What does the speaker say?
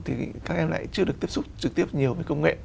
thì các em lại chưa được tiếp xúc trực tiếp nhiều với công nghệ